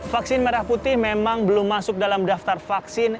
vaksin merah putih memang belum masuk dalam daftar vaksin